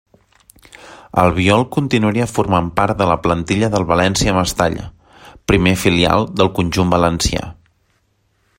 Albiol continuaria formant part de la plantilla del València Mestalla, primer filial del conjunt valencià.